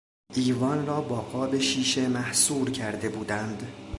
ایوان را با قاب شیشه محصور کرده بودند.